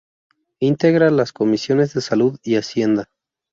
Integra las comisiones de Salud y Hacienda.